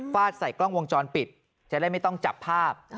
ใส่กล้องวงจรปิดจะได้ไม่ต้องจับภาพ